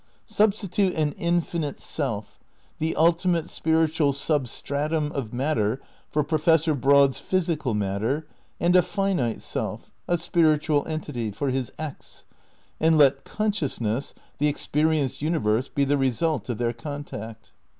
Substitute an infinite Self, the ultimate spiritual sub stratum of matter for Professor Broad's physical mat ter, and a finite self, a spiritual entity, for his X, and let consciousness, the experienced universe, be the re sult of their contact.